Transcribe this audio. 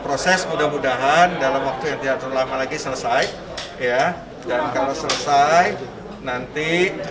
proses mudah mudahan dalam waktu yang tidak terlalu lama lagi selesai ya dan kalau selesai nanti